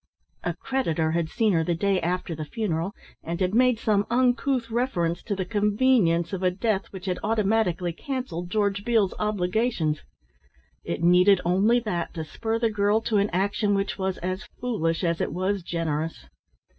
A creditor had seen her the day after the funeral and had made some uncouth reference to the convenience of a death which had automatically cancelled George Beale's obligations. It needed only that to spur the girl to an action which was as foolish as it was generous.